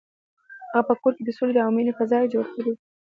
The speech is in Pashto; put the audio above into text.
هغه په کور کې د سولې او مینې فضا جوړه کړې وه.